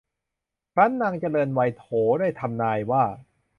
ครั้นนางเจริญวัยโหรได้ทำนายว่า